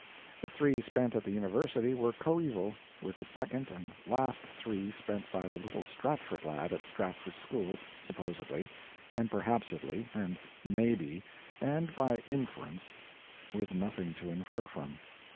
The three spent at the university were coeval with the second and last three spent by the little Stratford lad at Stratford school supposedly, and perhapsedly, and maybe, and by inference—with nothing to infer from.